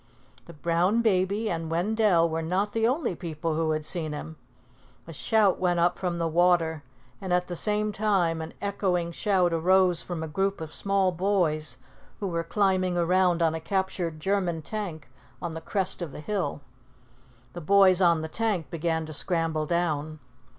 The brown baby and Wendell were not the only people who had seen him. A shout went up from the water, and at the same time an echoing shout arose from a group of small boys who were climbing around on a captured German tank on the crest of the hill. The boys on the tank began to scramble down.